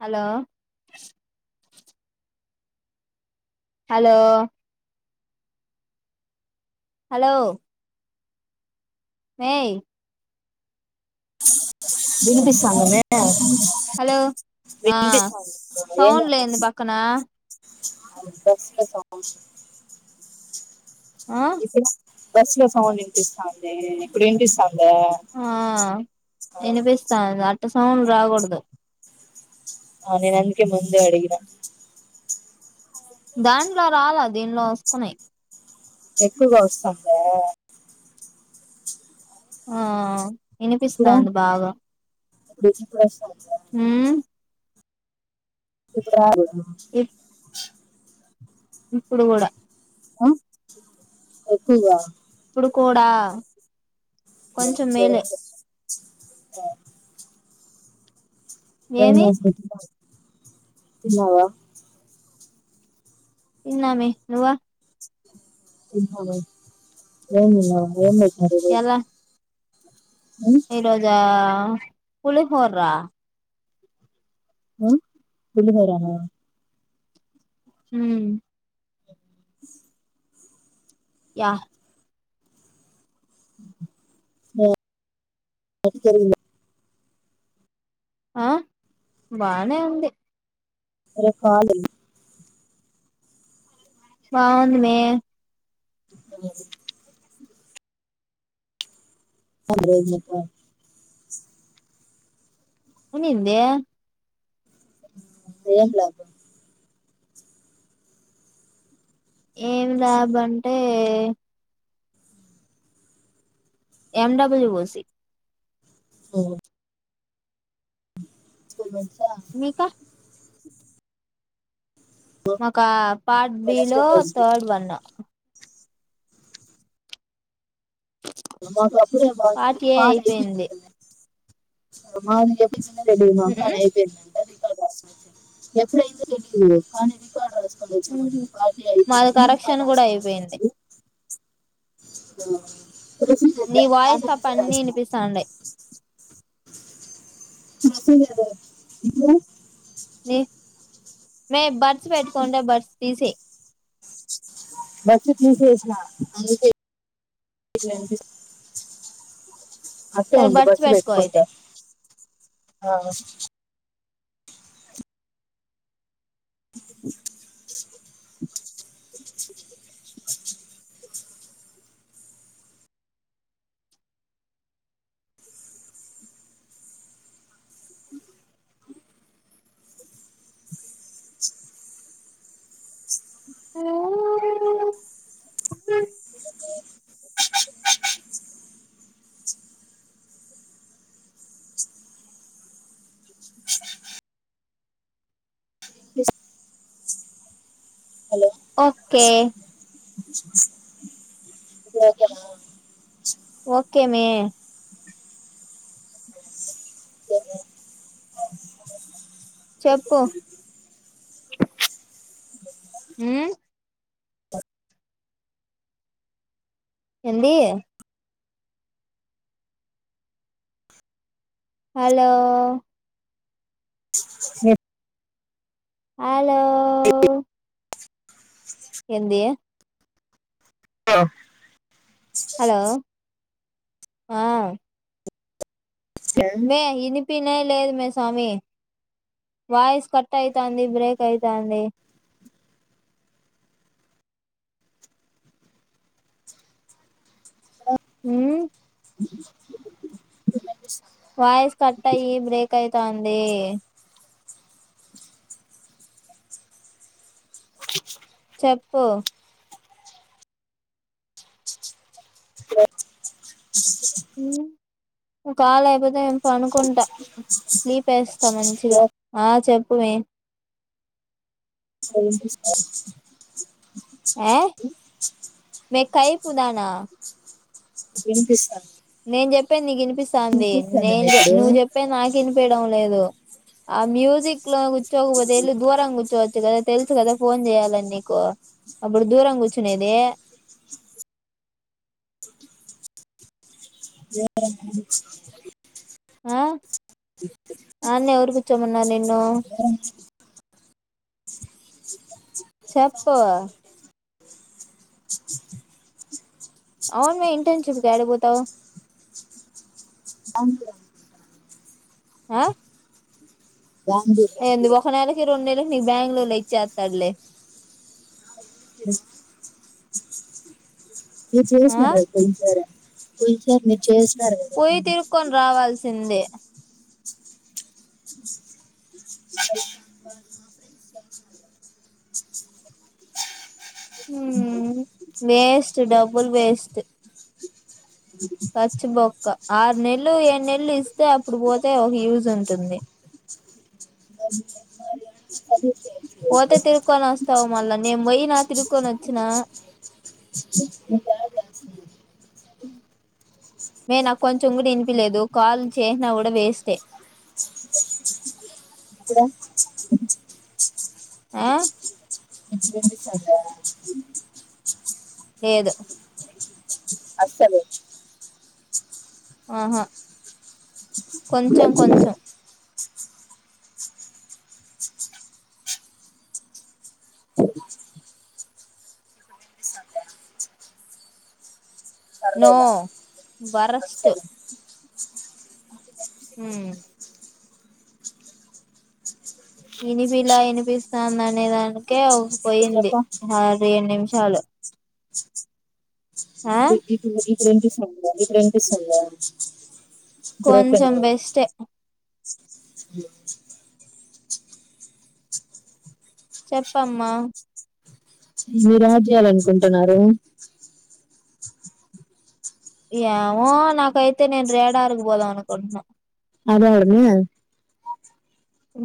Hello hello hello మేయ్ వినిపిస్తాంద మే హలో ఆ వింటే చాలు మరి ఎం సౌండ్ లేంది చేస్తా పక్కన బస్ ఆ ఇప్పు బస్సు లో సౌండ్ వినిపిస్తాందే ఇప్పుడు వినిపిస్తా ఆ వినిపిస్తాంది అట్ట సౌండ్ రాకూడదు. ఆ నేను అందుకే ముందే అడిగిన. దాంట్లో రాలా దీనిలో వస్తున్నయి. ఎక్కువగా వస్తాందా. ఆ ఇప్పుడా ఇనిపిస్తాంది బాగా. ఇప్పుడు చ ప్రశ హ్ ఇప్పుడు రాలేదు. ఇప్ ఇప్పుడు కూడా ఆ ఎక్కువగా ఇప్పుడు కూడా నేనేం కొంచెం మేలే చేయను చెప్పు ఆ ఎయిర్ ఏమి ఫోన్స్ పెట్టినాను తిన్నావా. తిన్నామే నువ్వు. ఏంతిన్నావు ఏంపెట్టినారు ఈ రోజు. ఎలా ఈరోజా పులిహోరా. ఆ పులిహోరానా. హ్మ్ యా అ [unintelligible] ఆ బానే ఉంది. రేప్ హాలిడే బావుందమ్మీ. ద [unintelligible] అంటేజకా ఉండిందే ఏం లాభం. ఏం లాభం అంటే ఎమ్ డబ్ల్యూ ఓ సి ఆ హ్ చ [unintelligible] మీకా మాకా పార్ట్ బి వెనస్డే లో థర్స్డే థార్డ్ వన్. మాకు అప్పుడే బా ఒక ఏ పార్ట్ అయిపోయి అయిపోయింది ఉంటది అ మాది ఎప్పు రెడీ మాకాడ అయిపోయింది రికార్డ్ రాసు ఎప్పుడు అయితే ఎంటి కానీ రికార్డ్ రాసు చబడింది పార్టీ అయిపోయింది మాది రీకార్డ్ కరెక్షన్ కూడా రాసుకోమని అయిపోయింది చెప్పి [inaudible] [inaudible] నీ వాయిస్ దాంట్లో తప్ప చూసే అన్ని రాసినం. వినిపిస్తాండాయి మెసేజ్ [inaudible] ఇప్పుడు మే మ్మి బర్డ్స్ పెట్కోంటే బర్డ్స్ తీసేయ్. బర్డ్స్ తీసేసిన అందుకే అసే సరే అట్టేఉండు బర్డ్స్ పెట్టుకో అయితే పెట్టుకుంటా ఆ అ ఆ [unintelligible] హలో ఓకే ఇప్పుడు ఓకేనా ఓకే మ్మి చెప్పు హ్ ఏంది? హలో! నీ- అలో. ఏందే. ఆ. హలో, ఆ. మే? వినిపియానే లేదు. ఏమే స్వామి, వాయిస్ కట్ అయితంది, బ్రేక్ అయితంది. ఉమ్. వాయిస్ కట్ అయి, బ్రేక్ అయితంది. చెప్పు. ఉమ్. నీవు కాళ ఎయ్యకపోతే, నేను పడుకుంటా స్లీప్ ఏస్తా, మంచిగా. ఆ చెప్పు వే అ సారే సరే ఏ మే కైపు దానా? వినిపిస్తాంది. చెప్పే నీకు వినిపిస్తాంది. నేను జేప్ నువ్వు చెప్పే నాకు వినిపియడం లేదు. ఆ మ్యూజిక్ లో కూర్చోకపోతే, ఏళ్లి దూరంగా కూర్చోవచ్చు గదా. తెలుసు గదా ఫోన్ చేయాలని నీకు. అప్పుడు దూరం కూర్చునేది. చుక్ చుక్. అవును. ఆ, ఆడనే ఎవరు కూచోమన్నారు నిన్ను. చిచిక్ చెపు. అవును వే, ఇంటర్న్‌షిప్ యాడికి బొతవు? ఆ. బెంగళూరు, ఏంది బెంగళూరు. ఒక నెలకి రెండు నేలకి, నీకు బెంగళూరులో ఇచ్చేస్తాడులే. మీరు ఆ జేసీనారా? పోయినా, సారి. పొయి, తిరుకొని రావాల్సిందే? మ్మ్. Waste, double waste. ఖర్చు బొక్క. ఆరు నెలలు ఏడు నెలలు ఇస్తే, అప్పుడు బొతే ఒక యూజ్ ఉంటుంది. అమారీ. పోతే తిరుక్కొని వస్తావు. మళ్లా, నేను బోయినా తిరుక్కొని వచ్చినా. [inaudible] ఉమ్. నేనా? కొంచెం గుడ వినిపిలేదు. కాల్ చేసినా కూడా వేస్టే. చిచిక్... హుమ్మ్.. ఆ. ఇప్పుడు వినిపిస్తాందా లేదు. అస్సలు ఆహా! కొంచెం కొంచెం. నో, పర్లేదా వర్స్ట్. అస్సలు హుమ్మ్. ఇనిపిలా, ఇనిపిస్తుంది అనే దానికే ఇప్పుడు అగిపోయింది. చెప్పు ఆరు రేడు నిమిషాలు. చాలు. ఇప్పుడు, ఇప్పుడు ఇప్పుడు ఇనిపిస్తున్నాదా? ఇప్పుడు ఇనిపిస్తున్నాదా? ఇప్పుడు, ఓకే నా? కొంచెం బెస్టే యో! చెప్పు అమ్మా. నీ, రాజ్యాలు అనుకుంటున్నారు. ఏమో నాకైతే నేను రేడారుకి పోదాం అనుకుంటున్నా అద అడన్న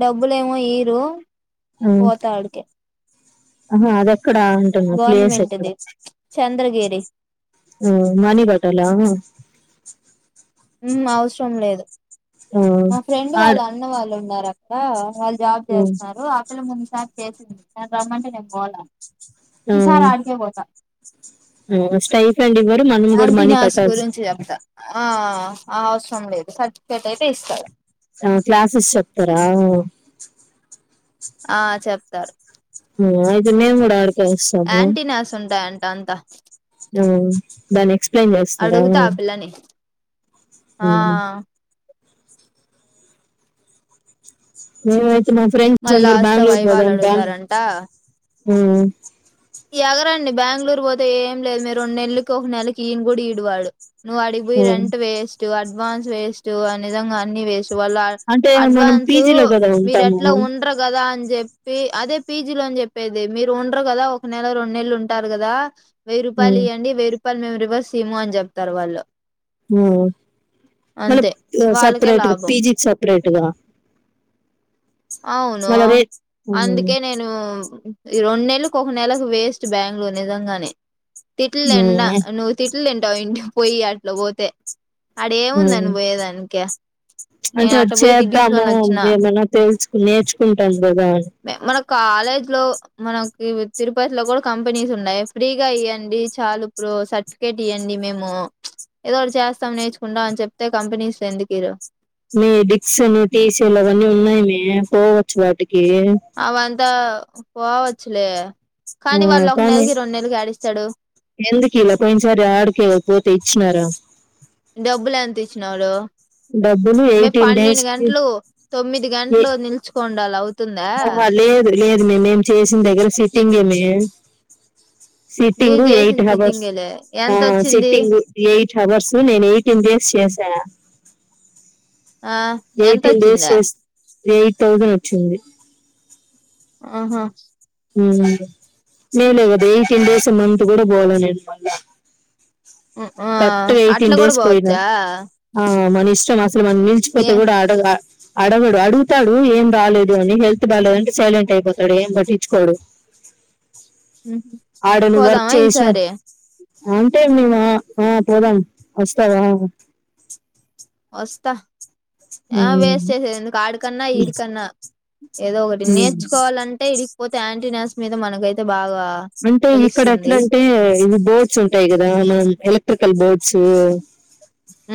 డబ్బులే ఏమో ఈరు పోతా అడికిే ఆహ అద ఎక్కడ ఉంటున్నా ప్లేస్ ఎక్కడ గవర్నమెంట్ది చంద్రగిరి ఆ మణిబటలా ఉ అవసరం లేదు ఆ, మా ఫ్రెండ్ ఆడ వాళ్ళు అన్న వాళ్ళు ఉండాలి క్క వాళ్ళు జాబ్ చేస్తున్నారు ఆ పిల్ల ముందుసారి చేసింది నను రమ్మంటే నేను పోలా ఈసారి ఆడికే పోతా స్టైఫడి ఇ అంటన్యాస్ గురించి చెప్తా ఆ అవసరం లేదు సట్ అయితే ఇస్తారు ఆ క్లాసెస్ చెప్తారా ఆ చెప్తారు అయితే మేూ ఆయాంటనాస్ ఉంటాయంట అంతా ఆ దాన్ని ఎక్స్ప్లెయిన్ చేస్తారా అడుగుతా ఆ పిల్లని ఆ ఏయితే మా ఫ్రెంచ మళ్ళ అంద లాస్ట్ లో బంగళూరు వైవాలు వదం బంగ్ అడుగుతారంట ఈ ఎగరండి బెంగళూరు పోతే ఏం లేదు మీరు రెండు నెలలకి ఒక నెలకి ఈయన గుూడి ఈడువాడు నువ్వు అడిగిపోయి ఉమ్. రెంట్ వేస్ట్ అడ్వాన్స్ వేస్ట్ అ నిధంగా అన్ని వేస్ట్ వాళ అంటే మనం అడ్వాన్స్ పీజీలో కదా మీరు ఉంటాము ఎట్లా ఉండరు కదా అని చెప్పి ప అదే పీజీ లో అని చెప్పేది మీరు ఉండరు కదా ఒక నెల రెండు నెలలు ఉంటారు కదా వెయ్యి ఉమ్, రూపాయలువయంండియ్య రూపాయలు మమ రవస్ సీముో అ చెతారు వాళ్ళు మ అంతే వాళ్ళకే సపరేట్ లాభం పిజీ స ఎట్దా అవును అందుకే నేను ఈ రెండు నెలలు ఒక నెలలకు వేస్ట్ బెంగళూరు నిజంగానే తిట్ ఎండా హ్మ్. నువ్వు తిట్ ఇట్లుంట ఇం పోయి అట్ల పోతే అడ హ్మ్. ఏముందంని పోయేదానినికి నేను అంటే అట్ట పోయి తిటిసుకొని వచ్చిన నేర్చుకుంటాను బాగా ఒక కాలేజ్ లో మనకి తిరుపతిలో కూడా కంపెనీస్ ఉన్నాయి ఫ్రీగా ఇయ్యండి చాలు ప్ర సర్టిఫికేట్ ఇ్యండి మేము ఏదో ఒకటి చేస్తాం నేర్చుకుంటా అని చెప్తే కంపెనీస్ ఎందుకురు మీ డిక్స్ అని టీసీలు అవన్నీ ఉన్నాయ మే పోవచ్చు వాటికి అంతా పోవచ్చులే కానీ వాళ్ళు ఒక కానీ నెలకి రెండు నెలకి యాడిస్తాడు ఎందుకలా కొంచెంసర ఆడిక పో తెచ్చినారా వచ్చినోడు డబ్బులు మే ఎయిటీన్ పన్నెండు డేస్ కి గంటలు తొమ్మిది గంటలు నిల్చుకోండాలి అవు ఆా లేదు లేదు మేముేం చేసిన దగ్గర ఫిట్టింగే మే మీరు సిటింగ్ చేసిన ఎయిట్ హవర్స్ సిట్టింగేలే ఆ ఎంత వచ్చింది సిట్టింగ్ ఎయిట్ అవర్స్ నేను ఎయిటీన్ డేస్ చేసా ఆ ఎంత ఎయిటీన్ డేస్ వచ్చిందా చే ఎయిట్ థౌజండ్ వచ్చింది ఆహా నేనువదకిన్ డేస్ మంత్ కూడా పోాల నేను మళ్ళా ఆ కరెక్ట్ గా అట్లా ఎయిటీన్ కూడా డేస్ పోయినా పోవచ్చా ఆ మన ఇష్టం అసలు మన ఏ నిలిచిపోతే కూడా అడగా అడవాడు అడుతాడు ఏం బాలేదు అని హెల్త్ బాగాలేదు అంటే సైలెంట్ అయిపోతాడు ఏం పట్టి ుకోడు ఆడను వర్క్ పోదామా చేసా ఈసారి అంటే మేము ఆ పోదాం వస్తావా వస్తా ఏ వేస్ట్ చేసేది ఎందుకు ఆడకన్నా ఉమ్." ఈడికన్నా ఏదో ఒకటి నేర్చుకోవాలంటే ఇడిగిపోతే యాంటీనాస్ మీద మనకైతే బా అంటే ఇక్కడ ఎట్లా అంటే ఇవి బోర్ట్స్ ఉంటాయి కదా మనం ఎలక్ట్రికల్ బోర్ట్ స్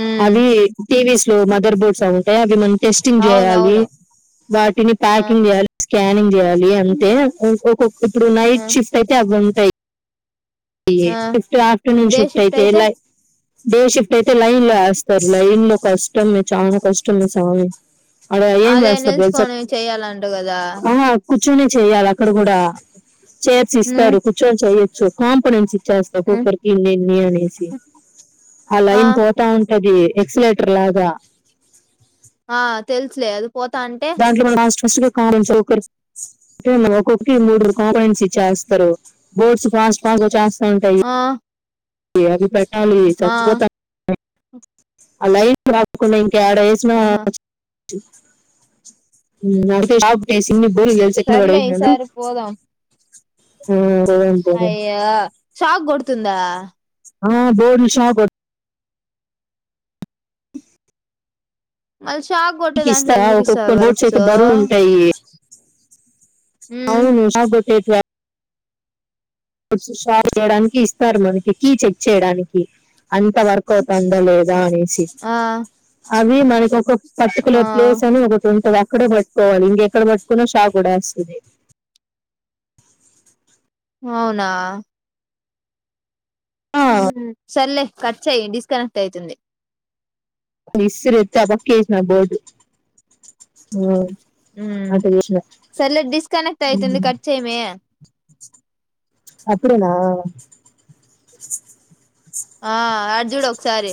ఉమ్ అవి టీవీస్ లో మదర్ బోర్డ్స్ అవీ ఉంటాయ అవి మన టెస్టింగ్ చేయాలి అవునవును వాటిని ఆ ప్యాకింగ్ చేయాలి స్కానింగ్ చేయాలి అంతే ఒకొక్క ఇప్పుడు ఆ నైట్ షిఫ్ట్ అయితే అవి ఉంటాయి ఆ షిఫ్ట్ ఆఫ్టర్నూన్ షిఫ్ట్ అయితే ఎలా డే షిఫ్ట్ అయితే లైన్ లో ఎస్తారు లైన్లొ కష్టం మే చనా కష్టం మే స్వామి అందులో ఏం అదే చేస్తారు తెల్సా నిల్చుకొని చెయ్యాలంట కదా కూర్చొని చెయ్యాలి అక్కడ కూడా చైర్స్ హ్మ్ ఇస్తారు కూర్చొని చెయొచ్చు కాంపడెన్ట్స్ చేస్తా హ్మ్ కుక్కర్ కి ఇన్ని ఇన్ని అనేసి ఆ అది ఎక్స్ లేటర్ లాగా ఆ తెలుసులే అది పోతాంటే ఫస్ట్ కాండె [unintelligible] ఒక ఒక్కొక్కరి మూడు కాంపిడెంన్స్ ఇచ్చేస్తారు బోర్స్ ఫస్ట్ ఫస్ట్ గా చేస్ ఆ అవి పెట్టాలి ఆ చచ్చిపోతా ఆ లైన్ రాకుండా ఇంకా యాడ వేసిన ఆహా [unintelligible] దేనికి నేను చెక్న సర్లే బడెసీనాను ఈసారి అయ్యె షాక్ కొడుతుందా ఆ బోర్ మిషన్ ఆ కొ అ మళ్ళీ షాక్ కొట్టే దాంట్లో ఎందుకు ఇస్తార్ ఒక్కొక్క బోర్డ్స్ వర్క్స్ అయితే బరువు ఉంటాయి హ్మ్ అవును షాక్ కొట్టేటివా షాప్ చేయడానికి ఇస్తారు మనకి కీ చెక్ చేయడానికి అంత వర్క్ అవుతుందా లేదా అని ఆ అవి మనకి ఒక ఆ పర్టిక్యులర్ ప్లేస్ అని ఒకటి ఉంటాద అక్కడె పట్టుకోవాలి ఇంకెక్కడ పట్టుకున్నా షాక్ కూడా లేసిందే అవునా ఆ, సర్లే కట్ చెయ్ డిస్క్ కనెక్ట్ అయితుంది ఇసిరేత్తే అబ కేేసిన [unintelligible] బోదు మ్మ్ సరెలే డిస్క్ కనెక్ట్ అయితుంది ఉమ్. కట్ చేయ్ మే అప్పుడేనా ఆ అడ చూడు ఒకసారి